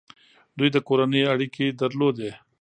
دوی د کورنۍ اړیکې درلودې.